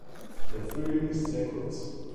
Der Frühling ist sehr kurz.